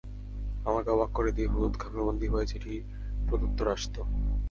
আমাকে অবাক করে দিয়ে হলুদ খামে বন্দী হয়ে চিঠির প্রত্যুত্তর আসত।